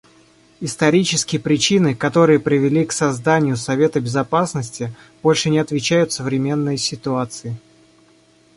Исторические причины, которые привели к созданию Совета Безопасности, больше не отвечают современной ситуации.